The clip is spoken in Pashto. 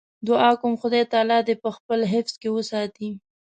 دعا کوم خدای تعالی دې په خپل حفظ کې وساتي.